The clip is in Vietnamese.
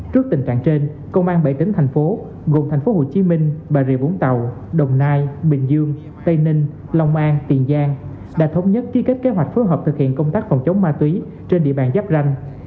trước tình trạng trên công an bảy tỉnh thành phố gồm thành phố hồ chí minh bà rịa vũng tàu đồng nai bình dương tây ninh long an tiền giang đã thống nhất ký kết kế hoạch phối hợp thực hiện công tác phòng chống ma túy trên địa bàn giáp ranh